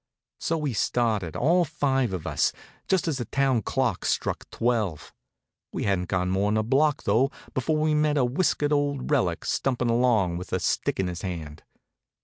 So we started, all five of us, just as the town clock struck twelve. We hadn't gone more'n a block, though, before we met a whiskered old relic stumpin' along with a stick in his hand.